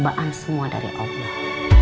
bahan semua dari allah